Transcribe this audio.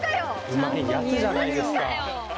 うまいやつじゃないですか。